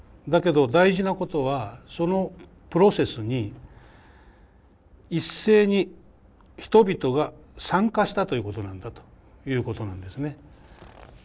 だけど大事なことはそのプロセスに一斉に人々が参加したということなんだということなんですね。